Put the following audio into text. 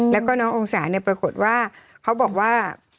แล้วก็น้ององศาเนี่ยปรากฏว่าเขาบอกว่า